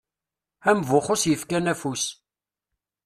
Am Buxus yefkan afus.